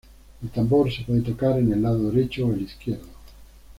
El tambor se puede tocar en el lado derecho o el izquierdo.